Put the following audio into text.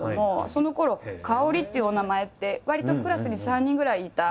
そのころ「かおり」っていうお名前ってわりとクラスに３人ぐらいいた。